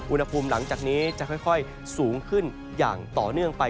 อุณหภูมิหลังจากนี้จะค่อยสูงขึ้นอย่างต่อเนื่องไป